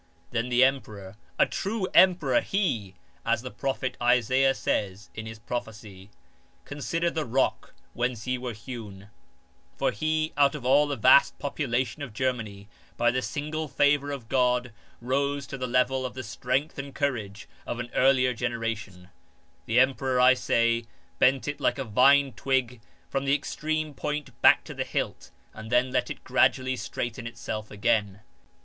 Then the emperor (a true emperor he I As the Prophet Isaiah says in his prophecy, Consider the rock whence ye were hewn ": for he out of all the vast population of Germany, by the singular favour of God, rose to the level of the strength and courage of an earlier genera tion) — the emperor, I say, bent it like a vine twig from the extreme point back to the hilt, and then let it gradually straighten itself again.